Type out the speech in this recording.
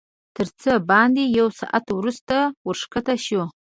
تر څه باندې یو ساعت وروسته ورښکته شوو.